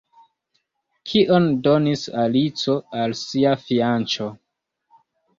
Kion donis Alico al sia fianĉo?